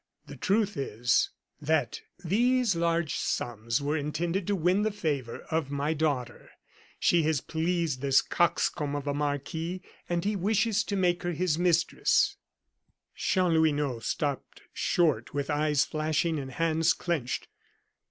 The truth is, that these large sums were intended to win the favor of my daughter. She has pleased this coxcomb of a marquis; and he wishes to make her his mistress " Chanlouineau stopped short, with eyes flashing, and hands clinched.